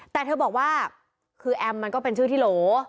แต่เธอบอกว่าคือแอมมันก็เป็นชื่อที่โหล